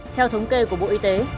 theo thống kê của bộ y tế